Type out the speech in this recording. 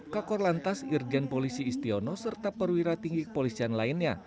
kakor lantas irjen polisi istiono serta perwira tinggi kepolisian lainnya